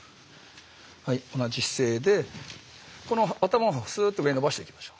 はい同じ姿勢でこの頭をスッと上に伸ばしていきましょう。